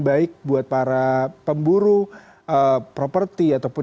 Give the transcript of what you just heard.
baik buat para pemburu properti ataupun